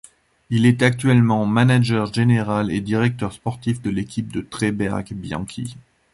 Il est actuellement manager général et directeur sportif de l'équipe Tre Berg-Bianchi.